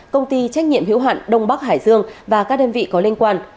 công ty trách nhiệm hữu hạn đông bắc hải dương và các đơn vị có liên quan